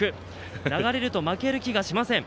流れると負ける気がしません。